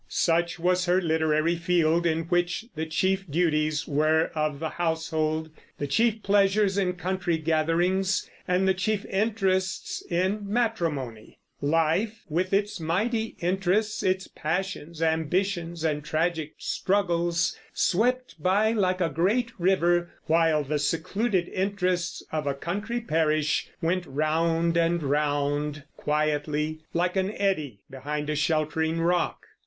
Such was her literary field, in which the chief duties were of the household, the chief pleasures in country gatherings, and the chief interests in matrimony. Life, with its mighty interests, its passions, ambitions, and tragic struggles, swept by like a great river; while the secluded interests of a country parish went round and round quietly, like an eddy behind a sheltering rock.